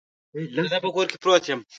د ده په کور کې به پروت یم.